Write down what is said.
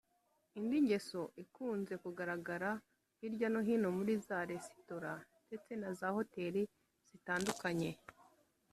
Indi ngeso ikunze kugaragara hirya no hino muri za resitora ndetse na za Hotel zitandukanye